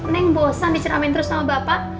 neng bosan diceramin terus sama bapak